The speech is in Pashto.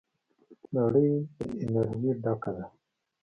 نړۍ د انرژۍ ډکه ده.